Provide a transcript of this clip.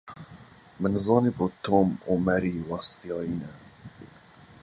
Min nizanîbû Tom û Mary westiyayî ne.